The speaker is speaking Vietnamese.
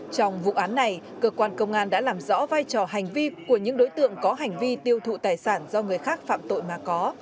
trong vụ án này cơ quan công an đã làm rõ vai trò hành vi của những đối tượng có hành vi tiêu thụ tài sản do người khác phạm tội mà có